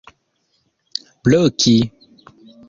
bloki